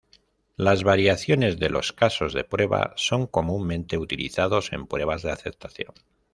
Las variaciones de los casos de prueba son comúnmente utilizados en pruebas de aceptación.